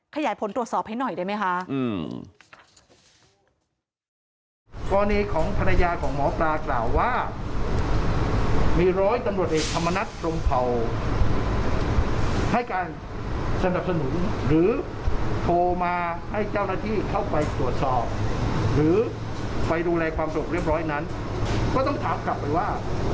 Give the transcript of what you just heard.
ขยายผลตรวจสอบให้หน่อยได้ไหมคะ